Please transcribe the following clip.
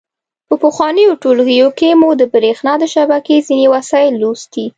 په پخوانیو ټولګیو کې مو د برېښنا د شبکې ځینې وسایل لوستي.